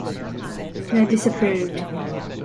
And I disapproved.